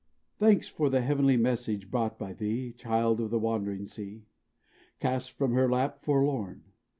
Thanks for the heavenly message brought by thee, Child of the wandering sea, Cast from her lap, forlorn!